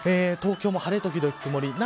東京も晴れ時々くもり。